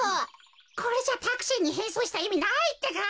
これじゃタクシーにへんそうしたいみないってか！